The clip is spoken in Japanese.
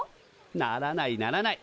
ならないならない。